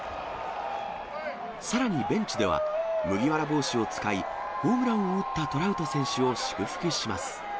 さらにベンチでは、麦わら帽子を使い、ホームランを打ったトラウト選手を祝福します。